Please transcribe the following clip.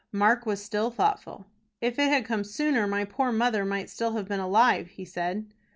Mark was still thoughtful. "If it had come sooner, my poor mother might still have been alive," he said.